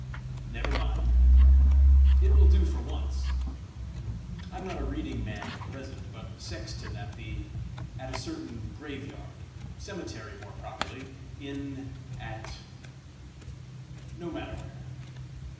"Never mind," he croaked; "it will do for once! I'm not a reading man at present, but sexton at the at a certain graveyard cemetery, more properly in at no matter where!"